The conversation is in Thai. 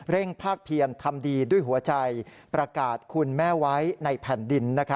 ภาคเพียรทำดีด้วยหัวใจประกาศคุณแม่ไว้ในแผ่นดิน